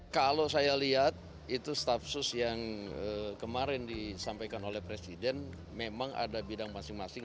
kalau saya lihat itu staff sus yang kemarin disampaikan oleh presiden memang ada bidang masing masing